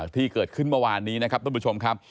ที่เกิดขึ้นเมื่อวานนี้นะครับท่านผู้ชมครับ